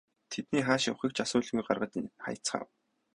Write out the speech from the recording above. Тэдний хааш явахыг ч асуулгүй гаргаж хаяцгаав.